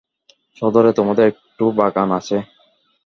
সদরে তোমাদের একটু বাগান আছে।